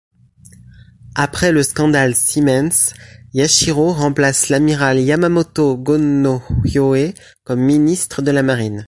Après le scandale Siemens, Yashiro remplace l'amiral Yamamoto Gonnohyōe comme ministre de la Marine.